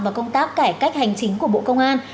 và công tác cải cách hành chính của bộ công an